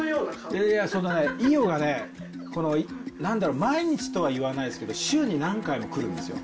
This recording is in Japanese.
いやいや、イオがね、このなんだろう、毎日とはいわないですけど、週に何回も来るんですよ。